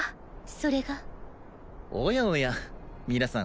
それがおやおや皆さん